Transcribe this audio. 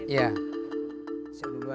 mencari bibit itu